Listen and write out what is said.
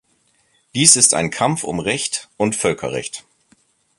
Dies ist ein Kampf um Recht und Völkerrecht.